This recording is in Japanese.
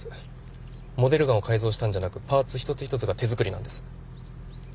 モデルガンを改造したんじゃなくパーツ一つ一つが手作りなんです。